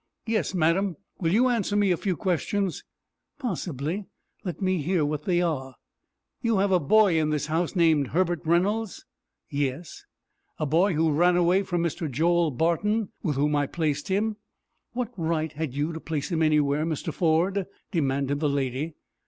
"Yes, madam; will you answer me a few questions?" "Possibly. Let me hear what they are." "You have a boy in this house, named Herbert Reynolds?" "Yes." "A boy who ran away from Mr. Joel Barton, with whom I placed him?" "What right had you to place him anywhere, Mr. Ford?" demanded the lady.